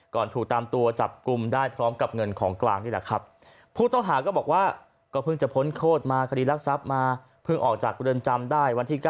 ถูกตามตัวจับกลุ่มได้พร้อมกับเงินของกลางนี่แหละครับผู้ต้องหาก็บอกว่าก็เพิ่งจะพ้นโทษมาคดีรักทรัพย์มาเพิ่งออกจากเรือนจำได้วันที่๙